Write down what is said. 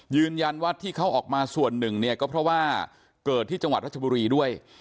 ยืนยันว่าที่เขาออกมาส่วนหนึ่งเนี่ยก็เพราะว่าเกิดที่จังหวัดรัชบุรีด้วย